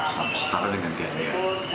salep setara dengan ganja